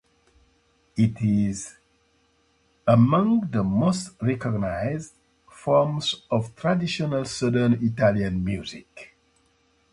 It is among the most recognized forms of traditional southern Italian music.